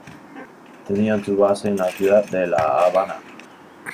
Tenían su base en la ciudad de La Habana.